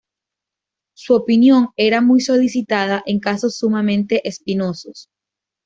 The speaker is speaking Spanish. Su opinión era muy solicitada en casos sumamente espinosos.